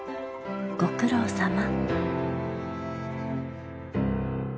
ご苦労さま。